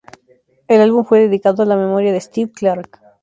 El álbum fue dedicado a la memoria de Steve Clark.